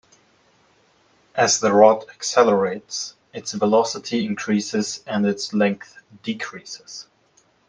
As the rod accelerates its velocity increases and its length decreases.